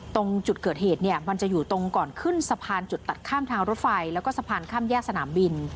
ตรงจุดเกิดเหตุเนี่ยมันจะอยู่ตรงก่อนขึ้นสะพานจุดตัดข้ามทางรถไฟแล้วก็สะพานข้ามแยกสนามบิน